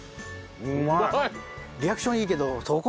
うまい。